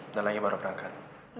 udah lagi baru berangkat